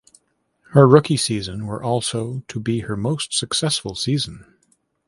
Her rookie season were also to be her most successful season.